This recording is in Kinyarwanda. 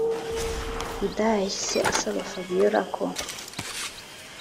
hidaya yahise asaba fabiora ko